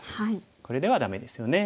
これではダメですよね。